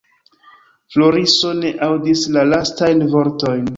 Floriso ne aŭdis la lastajn vortojn.